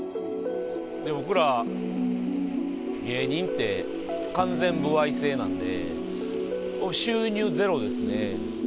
僕ら芸人って完全歩合制なんで、収入ゼロですね。